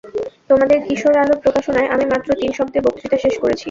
তোমাদের কিশোর আলোর প্রকাশনায় আমি মাত্র তিন শব্দে বক্তৃতা শেষ করেছি।